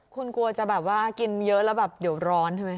คุณกลัวจะแบบว่ากินเยอะแล้วแบบเดี๋ยวร้อนใช่ไหม